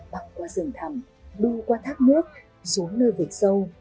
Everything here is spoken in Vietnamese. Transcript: bặp qua rừng thầm đu qua thác nước xuống nơi vịt sâu